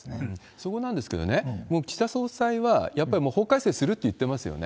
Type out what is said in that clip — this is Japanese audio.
そこなんですけど、岸田総裁はやっぱりもう法改正するって言ってますよね。